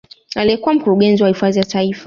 Aliyekuwa mkurugenzi wa hifadhi za taifa